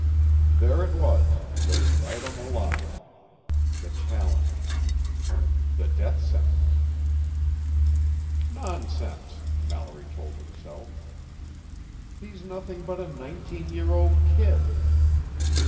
There it was, laid right on the line. The challenge The death sentence. Nonsense! Mallory told himself. He's nothing but a nineteen year old kid.